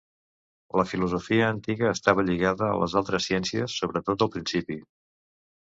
La filosofia antiga estava lligada a les altres ciències, sobretot al principi.